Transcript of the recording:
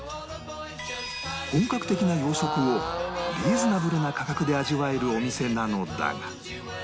本格的な洋食をリーズナブルな価格で味わえるお店なのだが